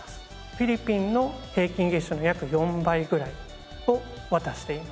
フィリピンの平均月収の約４倍ぐらいを渡しています。